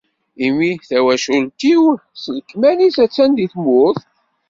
imi tawacult-iw s lekmal-is attan di tmurt?